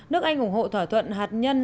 nước anh ủng hộ thỏa thuận hạt nhân